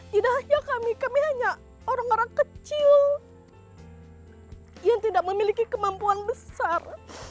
tidak hanya kami kami hanya orang orang kecil yang tidak memiliki kemampuan besar